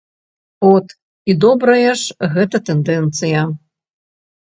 От, і добрая ж гэта тэндэнцыя!